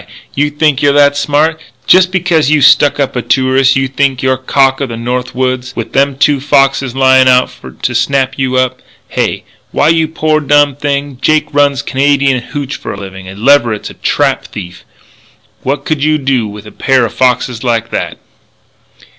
You think you're that smart? Jest becuz you stuck up a tourist you think you're cock o' the North Woods with them two foxes lyin' out for to snap you up? Hey? Why, you poor dumb thing, Jake runs Canadian hootch for a livin' and Leverett's a trap thief! What could you do with a pair o' foxes like that?"